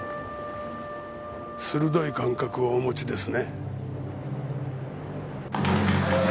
鋭い感覚をお持ちですね。